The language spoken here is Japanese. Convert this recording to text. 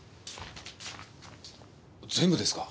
全部ですか？